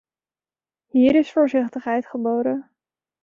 Hier is voorzichtigheid geboden.